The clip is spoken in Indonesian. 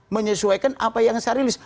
menyesuaikan apa yang saya rilis